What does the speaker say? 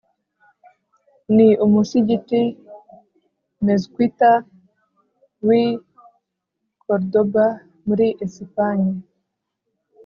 ni umusigiti (mezquita) w’i córdoba muri esipanye